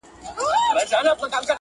افغاني سبک ليکل سوی دی